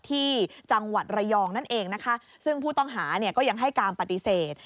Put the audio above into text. ที่จังหวัดระยองนั่นเองนะคะซึ่งผู้ต้องหาเนี่ยก็ยังให้การปฏิเสธ